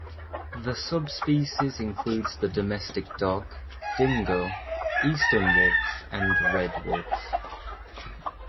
The subspecies includes the domestic dog, dingo, eastern wolf and red wolf.